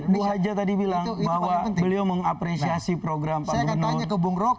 itu tadi bu haja tadi bilang bahwa beliau mengapresiasi program pak bruno